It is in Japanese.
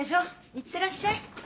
いってらっしゃい。